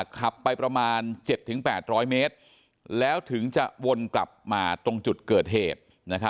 ขับไปประมาณ๗๘๐๐เมตรแล้วถึงจะวนกลับมาตรงจุดเกิดเหตุ